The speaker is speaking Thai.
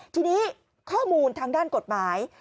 ทีนี้ข้อมูลทางด้านกฎหมาย